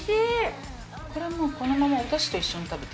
これもうこのままおだしと一緒に食べて。